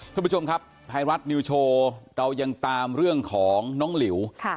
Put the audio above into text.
คุณผู้ชมครับไทยรัฐนิวโชว์เรายังตามเรื่องของน้องหลิว